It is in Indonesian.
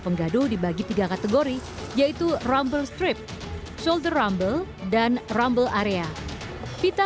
penggaduh dibagi tiga kategori yaitu rambut strip shoulder rambut dan rumble area pita